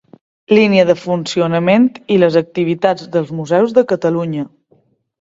Línia de funcionament i les activitats dels museus de Catalunya.